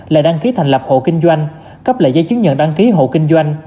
là đăng ký thành lập hộ kinh doanh cấp lại giấy chứng nhận đăng ký hộ kinh doanh